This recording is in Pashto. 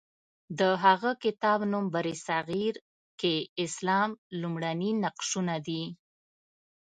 د هغه کتاب نوم برصغیر کې اسلام لومړني نقشونه دی.